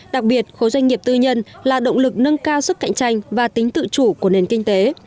đặc biệt khối doanh nghiệp tư nhân là động lực nâng cao sức cạnh tranh và tính tự chủ của nền kinh tế